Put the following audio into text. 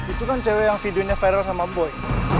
itu kan cewek yang videonya viral sama boy